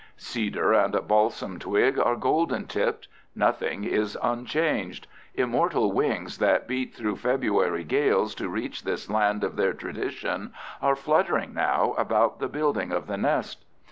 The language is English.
Cedar and balsam twig are golden tipped. Nothing is unchanged. Immortal wings that beat through February gales to reach this land of their tradition are fluttering now about the building of the nest.